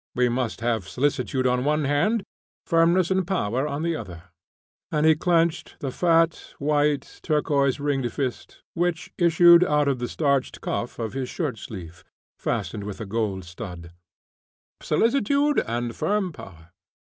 We must have solicitude on one hand, firmness and power on the other," and he clenched the fat, white, turquoise ringed fist, which issued out of the starched cuff of his shirt sleeve, fastened with a gold stud. "Solicitude and firm power."